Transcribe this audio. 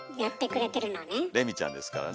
れみちゃんですからね。